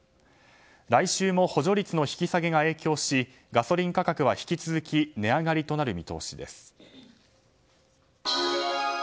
来週も補助率の引き下げが影響しガソリン価格は引き続き値上がりとなる見通しです。